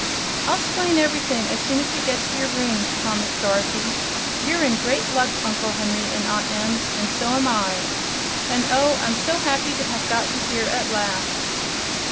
"I'll 'splain ever'thing as soon as we get to your rooms," promised Dorothy. "You're in great luck, Uncle Henry and Aunt Em; an' so am I! And oh! I'm so happy to have got you here, at last!"